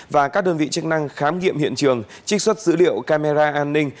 và các đơn vị chức năng khám nghiệm hiện trường trích xuất dữ liệu camera an ninh